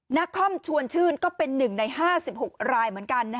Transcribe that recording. นครชวนชื่นก็เป็น๑ใน๕๖รายเหมือนกัน